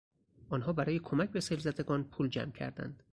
آنها برای کمک به سیل زدگان پول جمع کردند.